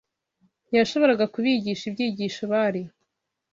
ntiyashoboraga kubigisha ibyigisho bari